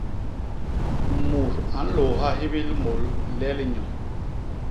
Mut a nlôôha hibil môl ilel nyo.